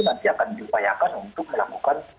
nanti akan diupayakan untuk melakukan